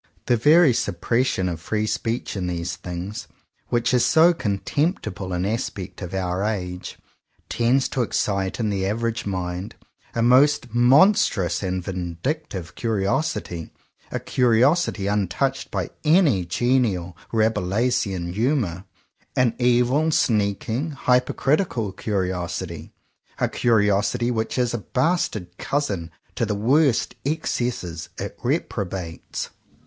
The very suppression of free speech in these things, which is so contemptible an aspect of our age, tends to excite in the average mind a most monstrous and vindic tive curiosity; a curiosity untouched by any genial Rabelaisian humour; an evil, sneak ing, hypocritical curiosity; a curiosity which is a bastard cousin to the worst excesses it reprobates.